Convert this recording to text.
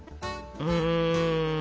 うん。